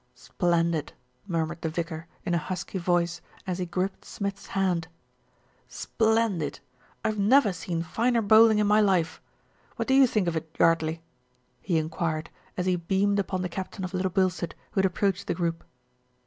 "Splendid!" murmured the vicar, in a husky voice, as he gripped Smith's hand. "Splendid ! I have never seen finer bowling in my life. What do you think of it, Yardley?" he enquired, as he beamed upon the captain of Little Bilstead, who had approached the group.